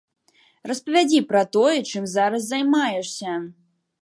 Распавядзі пра тое, чым зараз займаешся.